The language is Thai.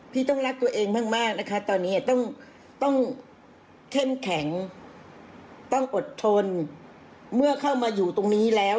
พี่ต้องรักตัวเองมากนะคะตอนนี้ต้องเข้มแข็งต้องอดทนเมื่อเข้ามาอยู่ตรงนี้แล้ว